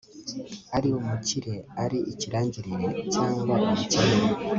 ari umukire, ari ikirangirire cyangwa umukene